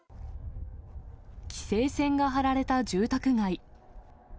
規制線が張られた住宅街。